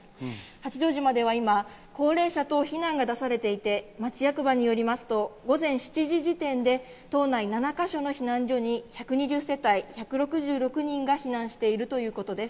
八丈島では今、高齢者等避難が出されていて、町役場によりますと、午前７時時点で島内７か所の避難所に１２０世帯１２６人が避難しています。